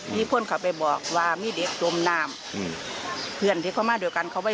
มีเพื่อนเขาไปบอกว่ามีเด็กจมน้ำอืมเพื่อนที่เขามาด้วยกันเขาไป